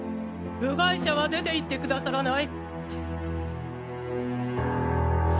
部外者は出て行ってくださらない？